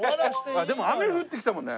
でも雨降ってきたもんね。